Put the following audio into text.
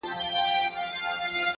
لوړ همت د ستړیا پروا نه کوي.!